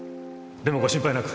でもご心配なく。